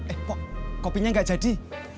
eh pok kopinya gak jadi